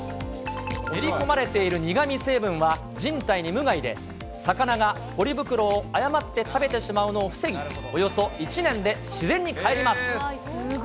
練り込まれている苦み成分は人体に無害で、魚がポリ袋を誤って食べてしまうのを防ぎ、およそ１年で自然にかえります。